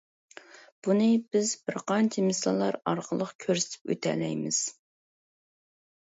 بۇنى بىز بىر قانچە مىساللار ئارقىلىق كۆرسىتىپ ئۆتەلەيمىز.